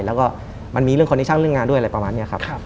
แล้วก็มันมีเรื่องคอนิชชั่นเรื่องงานด้วยอะไรประมาณนี้ครับ